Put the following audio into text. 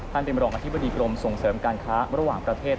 เป็นรองอธิบดีกรมส่งเสริมการค้าระหว่างประเทศ